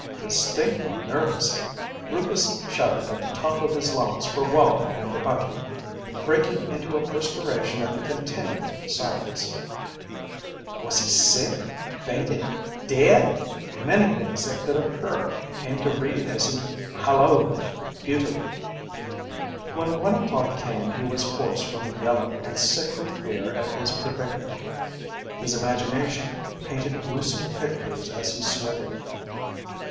Distinctly nervous, Rufus shouted at the top of his lungs for Wallie and the bucket, breaking into a perspiration at the continued silence. Was he sick? Fainted? Dead? Many things that could occur came to Reed as he halloed futilely. When one o'clock came he was hoarse from yelling and sick with fear at his predicament. His imagination painted gruesome pictures as he sweated.